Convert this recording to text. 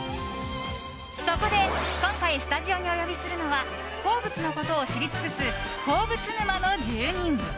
そこで、今回スタジオにお呼びするのは鉱物のことを知り尽くす鉱物沼の住人。